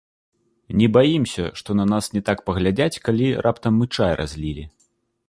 Не баімся, што на нас не так паглядзяць, калі, раптам, мы чай разлілі.